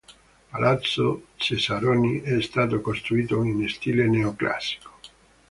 Palazzo Cesaroni è stato costruito in stile neoclassico.